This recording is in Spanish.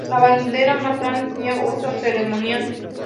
La bandera, más grande, tenía uso ceremonial.